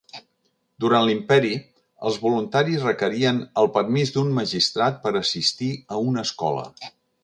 Durant l'imperi, els voluntaris requerien el permís d'un magistrat per assistir a una escola.